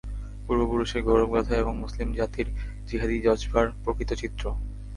পূর্বপুরুষের গৌরব-গাঁথা এবং মুসলিম জাতির জিহাদী জযবার প্রকৃত চিত্র।